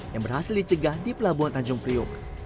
yang berhasil dicegah di pelabuhan tanjung priuk